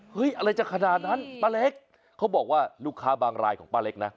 อะไรจะขนาดนั้นป้าเล็กเขาบอกว่าลูกค้าบางรายของป้าเล็กนะ